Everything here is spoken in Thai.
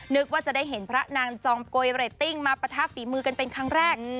ว่าจะได้เห็นพระนางจอมโกยเรตติ้งมาปะทะฝีมือกันเป็นครั้งแรก